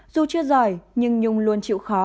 dù chưa giỏi nhưng nhung luôn chịu khó